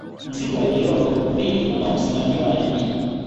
Msitu wa Loliondo mbili unaosimamiwa na jamii